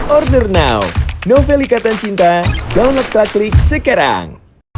order now novelikatan cinta download klik klik sekarang